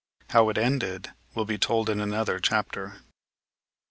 How it ended will be told in another chapter.